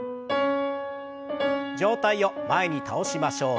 上体を前に倒しましょう。